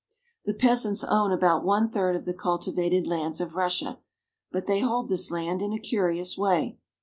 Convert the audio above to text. The peasants own about one third of the cultivated lands of Russia, but they hold this land in a curious way.